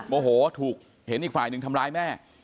โมโหถูกเห็นอีกฝ่ายหนึ่งทำร้ายแม่